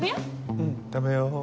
うん食べよ。